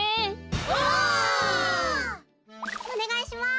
オ！おねがいします。